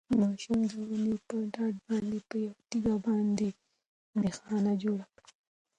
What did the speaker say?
ماشوم د ونې په ډډ باندې په یوه تیږه باندې نښان جوړ کړ.